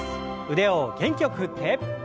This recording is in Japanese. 腕を元気よく振って。